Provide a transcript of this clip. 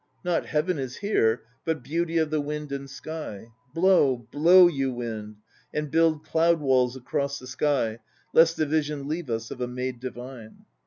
Not heaven is here, but beauty of the wind and sky. Blow, blow, you wind, and build Cloud walls across the sky, lest the vision leave us Of a maid divine!